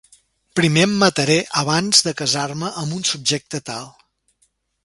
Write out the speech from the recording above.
Primer em mataré, abans de casar-me amb un subjecte tal.